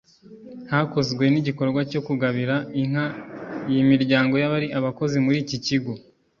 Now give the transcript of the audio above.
Hakozwe n’igikorwa cyo kugabira inka iyi miryango y’abari abakozi muri iki kigo